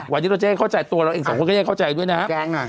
วันนี้ตัวเราเองสองคนค่อยเข้าใจด้วยนะครับ